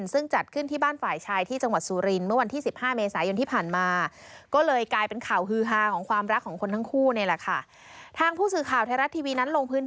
ซึ่งจัดขึ้นที่บ้านฝ่ายชายที่จังหวัดสูริน